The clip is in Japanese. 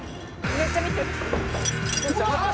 「めっちゃ見てる」うわー！